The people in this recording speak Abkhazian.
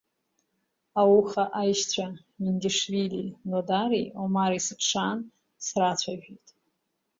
Ауха аишьцәа Миндиашвили Нодари Омари сыԥшаан срацәажәеит.